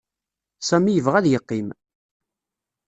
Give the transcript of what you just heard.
Sami yebɣa ad yeqqim.